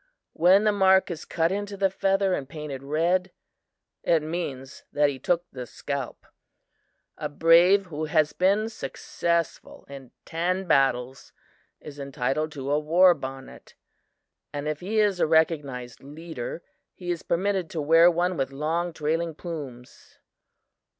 When the mark is cut into the feather and painted red, it means that he took the scalp. "A brave who has been successful in ten battles is entitled to a war bonnet; and if he is a recognized leader, he is permitted to wear one with long, trailing plumes.